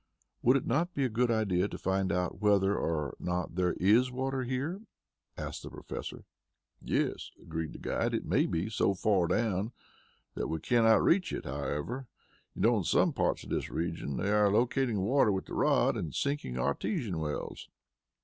"Would it not be a good idea to find out whether or not there is water here?" asked the Professor. "Yes," agreed the guide. "It may be so far down that we cannot reach it, however. You know in some parts of this region they are locating water with the rod and sinking artesian wells."